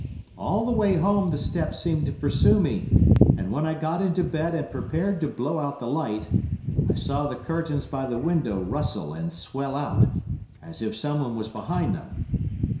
All the way home the steps seemed to pursue me, and when I got into bed and prepared to blow out the light, I saw the curtains by the window rustle and swell out, as if someone was behind them.